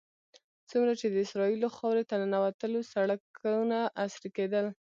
څومره چې د اسرائیلو خاورې ته ننوتلو سړکونه عصري کېدل.